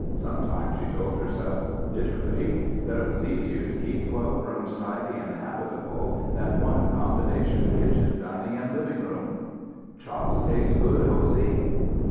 Sometimes she told herself, bitterly, that it was easier to keep twelve rooms tidy and habitable than one combination kitchen dining and living room. "Chops taste good, Hosey?"